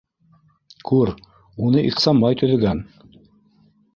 - Күр: уны Ихсанбай төҙөгән.